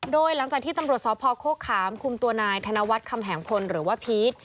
โดยหลังจากที่ตำรวจสพโฆขามคุมตัวนายธนวัฒน์คำแหงพลหรือว่าพีช